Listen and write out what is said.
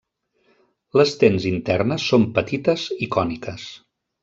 Les dents internes són petites i còniques.